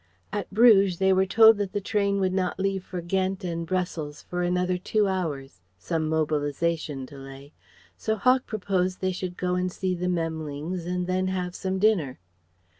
At Bruges they were told that the train would not leave for Ghent and Brussels for another two hours some mobilization delay; so Hawk proposed they should go and see the Memlings and then have some dinner.